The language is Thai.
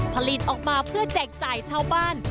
ผลิตออกมาเพื่อแจกจ่ายชาวบ้าน